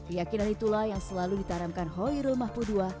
yakinlah itulah yang selalu ditaramkan hoi rul mahpudua